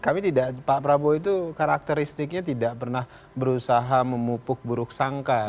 kami tidak pak prabowo itu karakteristiknya tidak pernah berusaha memupuk buruk sangka